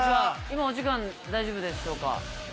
今お時間大丈夫ですか。